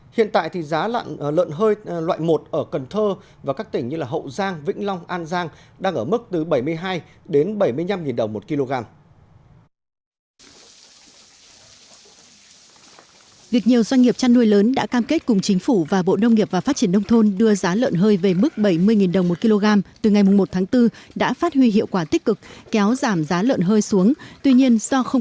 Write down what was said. hiện tại thì giá lợn hơi loại một ở cần thơ và các tỉnh như hậu giang vĩnh long an giang đang ở mức từ bảy mươi hai đến bảy mươi năm đồng một kg